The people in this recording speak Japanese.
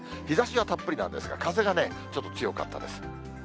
日ざしはたっぷりなんですが、風がね、ちょっと強かったです。